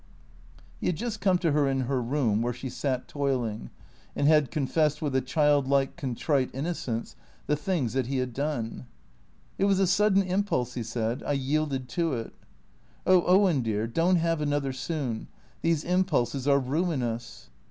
He had just come to her in her room where she sat toiling, and had confessed with a childlike, contrite innocence the things that he had done. '■ It was a sudden impulse," he said. " I yielded to it." " Oh, Owen dear, don't have another soon. These impulses are ruinous."